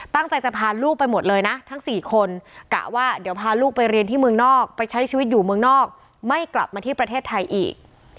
ตั้งใจจะพาลูกไปหมดเลยนะทั้ง๔คนกะว่าเดี๋ยวพาลูกไปเรียนที่เมืองนอกไปใช้ชีวิตอยู่เมืองนอกไม่กลับมาที่ประเทศไทยอีก